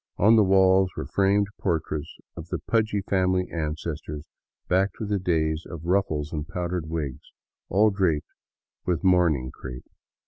On the walls were framed portraits of the pudgy family ancestors back to the days of ruffles and powdered wigs, all draped with mourning crepe.